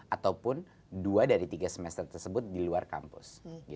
ataupun dua dari tiga semester tersebut di luar kampus